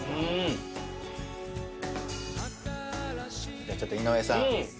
じゃあちょっと井上さん